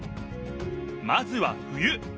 まずは冬。